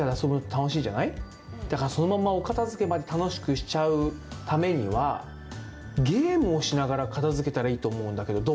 だからそのままおかたづけまでたのしくしちゃうためにはゲームをしながらかたづけたらいいとおもうんだけどどう？